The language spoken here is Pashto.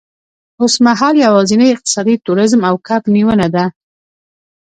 اوسمهال یوازېنی اقتصاد تورېزم او کب نیونه ده.